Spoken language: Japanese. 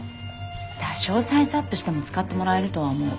多少サイズアップしても使ってもらえるとは思う。